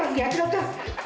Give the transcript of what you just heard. lu berat tak cas